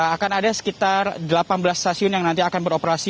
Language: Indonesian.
akan ada sekitar delapan belas stasiun yang nanti akan beroperasi